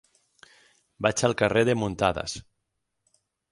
Vaig al carrer de Muntadas.